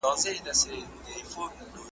امریکا ته راوستل سوي وه ,